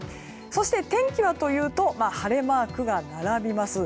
そして天気はというと晴れマークが並びます。